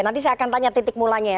nanti saya akan tanya titik mulanya ya